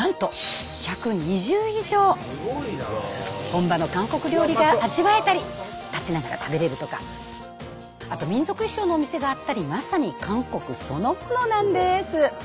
本場の韓国料理が味わえたり立ちながら食べれるとかあと民族衣装のお店があったりまさに韓国そのものなんです。